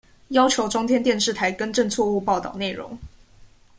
要求中天電視台更正錯誤報導內容